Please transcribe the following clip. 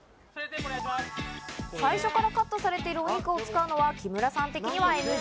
最初からカットされているお肉を使うのはキムラさん的にはＮＧ。